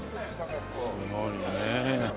すごいねえ。